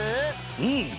うん。